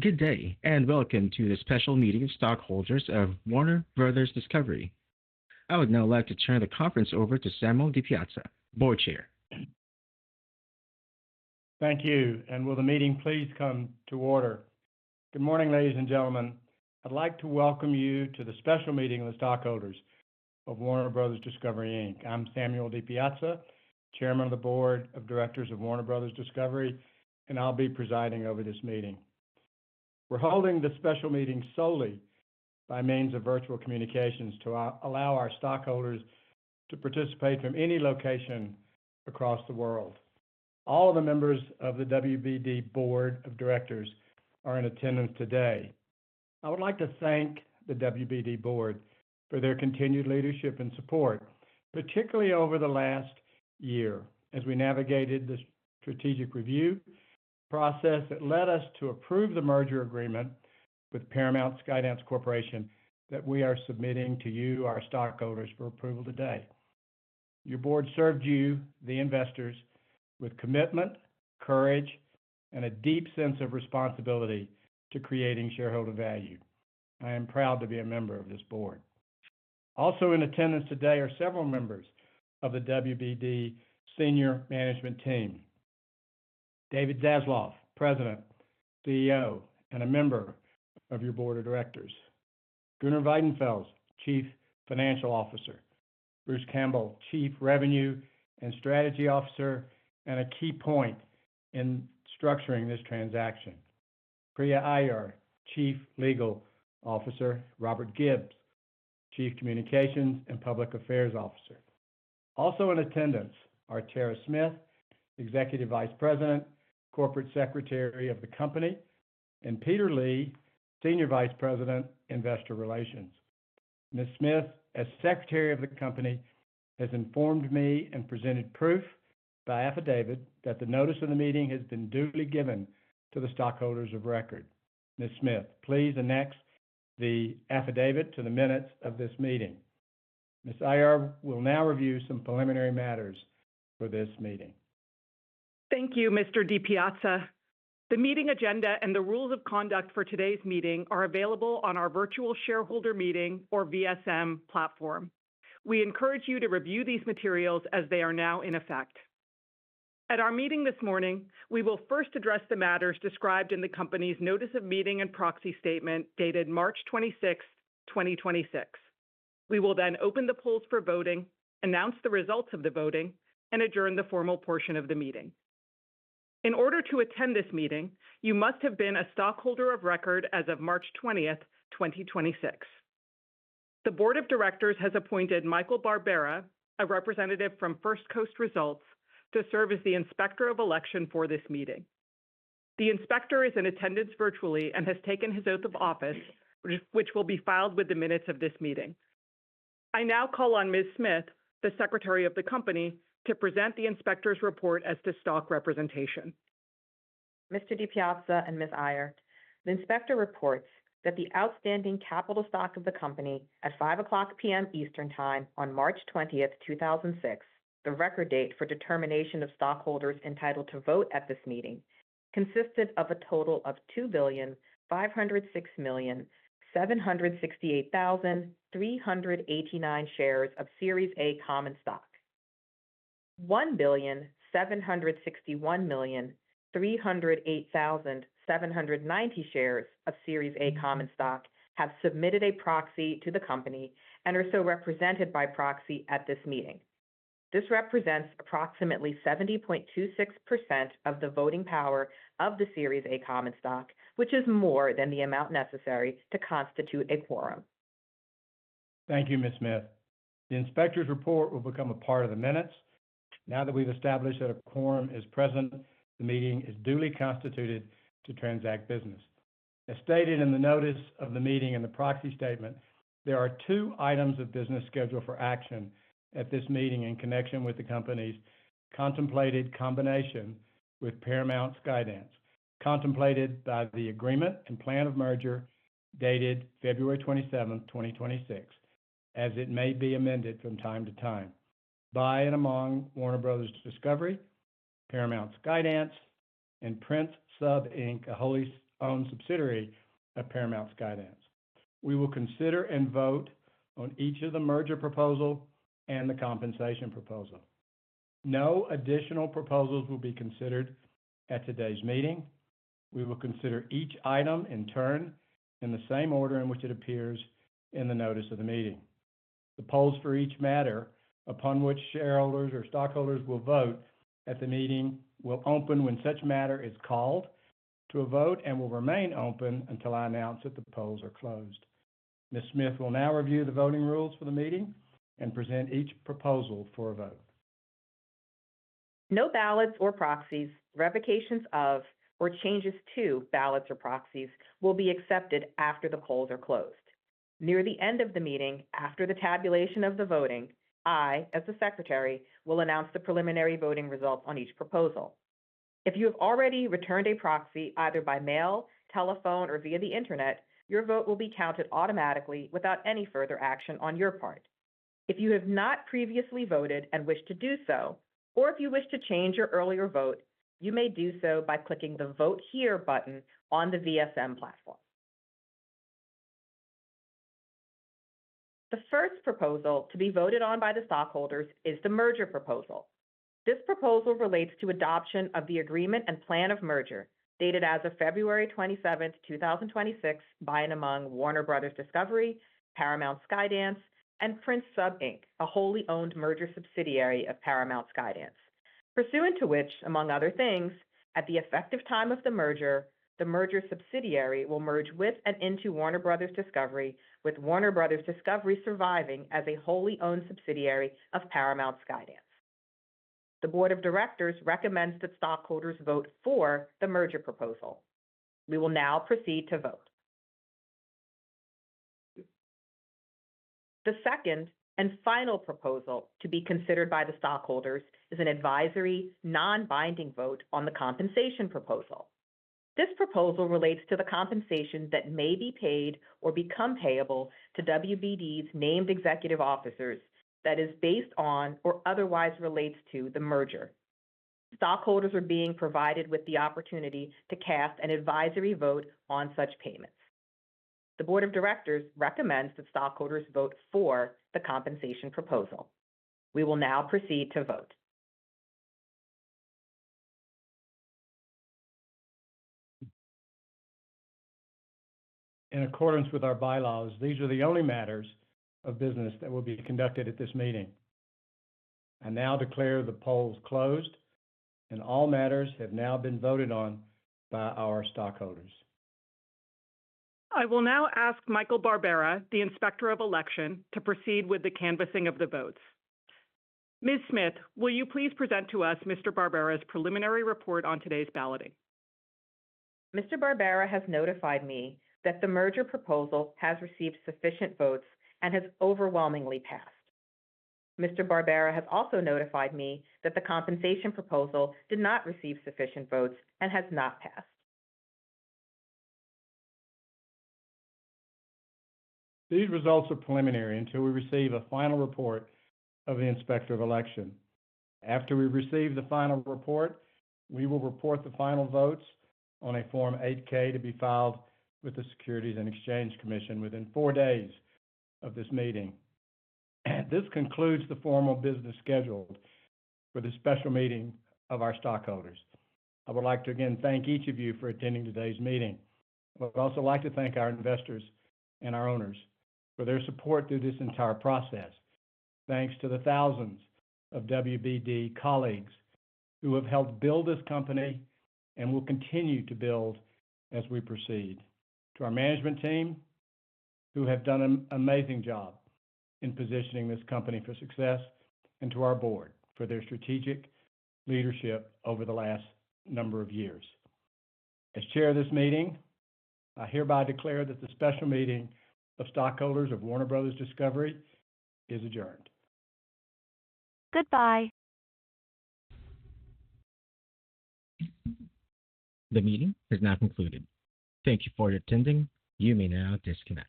Good day, and welcome to the special meeting of stockholders of Warner Bros. Discovery. I would now like to turn the conference over to Samuel Di Piazza, Board Chair. Thank you. Will the meeting please come to order? Good morning, ladies and gentlemen. I'd like to welcome you to the special meeting of the stockholders of Warner Bros. Discovery, Inc. I'm Samuel Di Piazza, Chairman of the Board of Directors of Warner Bros. Discovery, and I'll be presiding over this meeting. We're holding this special meeting solely by means of virtual communications to allow our stockholders to participate from any location across the world. All of the members of the WBD board of directors are in attendance today. I would like to thank the WBD board for their continued leadership and support, particularly over the last year as we navigated the strategic review process that led us to approve the merger agreement with Paramount Skydance Corporation that we are submitting to you, our stockholders, for approval today. Your board served you, the investors, with commitment, courage, and a deep sense of responsibility to creating shareholder value. I am proud to be a member of this board. Also in attendance today are several members of the WBD senior management team. David Zaslav, President, CEO, and a member of your board of directors. Gunnar Wiedenfels, Chief Financial Officer. Bruce Campbell, Chief Revenue and Strategy Officer, and a key point in structuring this transaction. Priya Aiyar, Chief Legal Officer. Robert Gibbs, Chief Communications and Public Affairs Officer. Also in attendance are Tara Smith, Executive Vice President, Corporate Secretary of the company, and Peter Lee, Senior Vice President, Investor Relations. Ms. Smith, as secretary of the company, has informed me and presented proof by affidavit that the notice of the meeting has been duly given to the stockholders of record. Ms. Smith, please annex the affidavit to the minutes of this meeting. Ms. Aiyar will now review some preliminary matters for this meeting. Thank you, Mr. Di Piazza. The meeting agenda and the rules of conduct for today's meeting are available on our virtual shareholder meeting or VSM platform. We encourage you to review these materials as they are now in effect. At our meeting this morning, we will first address the matters described in the company's notice of meeting and proxy statement dated March 26, 2026. We will then open the polls for voting, announce the results of the voting, and adjourn the formal portion of the meeting. In order to attend this meeting, you must have been a stockholder of record as of March 20, 2026. The board of directors has appointed Michael Barbera, a representative from First Coast Results, to serve as the Inspector of Election for this meeting. The inspector is in attendance virtually and has taken his oath of office, which will be filed with the minutes of this meeting. I now call on Ms. Smith, the secretary of the company, to present the inspector's report as to stock representation. Mr. Di Piazza and Ms. Aiyar, the inspector reports that the outstanding capital stock of the company at 5:00 P.M. Eastern Time on March 20, 2026, the record date for determination of stockholders entitled to vote at this meeting, consisted of a total of 2,506,768,389 shares of Series A common stock. 1,761,308,790 shares of Series A common stock have submitted a proxy to the company and are so represented by proxy at this meeting. This represents approximately 70.26% of the voting power of the Series A common stock, which is more than the amount necessary to constitute a quorum. Thank you, Ms. Smith. The inspector's report will become a part of the minutes. Now that we've established that a quorum is present, the meeting is duly constituted to transact business. As stated in the notice of the meeting and the proxy statement, there are two items of business scheduled for action at this meeting in connection with the company's contemplated combination with Paramount Skydance, contemplated by the agreement and plan of merger dated February 27, 2026, as it may be amended from time to time by and among Warner Bros. Discovery, Paramount Skydance, and Prince Sub, Inc., a wholly owned subsidiary of Paramount Skydance. We will consider and vote on each of the merger proposal and the compensation proposal. No additional proposals will be considered at today's meeting. We will consider each item in turn in the same order in which it appears in the notice of the meeting. The polls for each matter upon which shareholders or stockholders will vote at the meeting will open when such matter is called to a vote and will remain open until I announce that the polls are closed. Ms. Smith will now review the voting rules for the meeting and present each proposal for a vote. No ballots or proxies, revocations of, or changes to ballots or proxies will be accepted after the polls are closed. Near the end of the meeting, after the tabulation of the voting, I, as the secretary, will announce the preliminary voting results on each proposal. If you have already returned a proxy either by mail, telephone, or via the internet, your vote will be counted automatically without any further action on your part. If you have not previously voted and wish to do so, or if you wish to change your earlier vote, you may do so by clicking the Vote Here button on the VSM platform. The first proposal to be voted on by the stockholders is the merger proposal. This proposal relates to adoption of the agreement and plan of merger, dated as of February 27th, 2026, by and among Warner Bros. Discovery. Paramount Skydance, and Prince Sub, Inc., a wholly-owned merger subsidiary of Paramount Skydance. Pursuant to which, among other things, at the effective time of the merger, the merger subsidiary will merge with and into Warner Bros. Discovery, with Warner Bros. Discovery surviving as a wholly-owned subsidiary of Paramount Skydance. The Board of Directors recommends that stockholders vote for the merger proposal. We will now proceed to vote. The second and final proposal to be considered by the stockholders is an advisory, non-binding vote on the compensation proposal. This proposal relates to the compensation that may be paid or become payable to WBD's named executive officers that is based on or otherwise relates to the merger. Stockholders are being provided with the opportunity to cast an advisory vote on such payments. The Board of Directors recommends that stockholders vote for the compensation proposal. We will now proceed to vote. In accordance with our bylaws, these are the only matters of business that will be conducted at this meeting. I now declare the polls closed, and all matters have now been voted on by our stockholders. I will now ask Michael Barbera, the Inspector of Election, to proceed with the canvassing of the votes. Ms. Smith, will you please present to us Mr. Barbera's preliminary report on today's balloting? Mr. Barbera has notified me that the merger proposal has received sufficient votes and has overwhelmingly passed. Mr. Barbera has also notified me that the compensation proposal did not receive sufficient votes and has not passed. These results are preliminary until we receive a final report of the Inspector of Election. After we receive the final report, we will report the final votes on a Form 8-K to be filed with the Securities and Exchange Commission within four days of this meeting. This concludes the formal business scheduled for the special meeting of our stockholders. I would like to again thank each of you for attending today's meeting. I would also like to thank our investors and our owners for their support through this entire process. Thanks to the thousands of WBD colleagues who have helped build this company and will continue to build as we proceed. To our management team, who have done an amazing job in positioning this company for success, and to our board, for their strategic leadership over the last number of years. As chair of this meeting, I hereby declare that the special meeting of stockholders of Warner Bros. Discovery is adjourned. Goodbye. The meeting is now concluded. Thank you for attending. You may now disconnect.